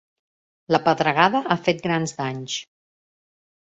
La pedregada ha fet grans danys.